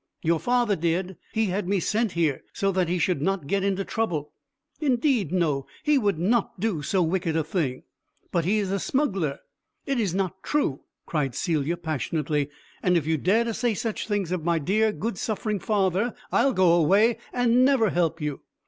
"Your father did. He had me sent here, so that he should not get into trouble." "Indeed no! He would not do so wicked a thing." "But he is a smuggler." "It is not true!" cried Celia passionately; "and if you dare to say such things of my dear, good, suffering father, I'll go away and never help you."